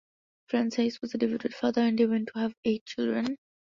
Frans Hals was a devoted father, and they went on to have eight children.